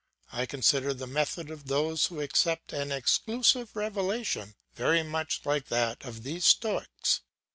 I consider the method of those who accept an exclusive revelation very much like that of these Stoics.